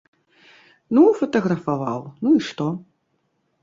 Ну фатаграфаваў, ну і што?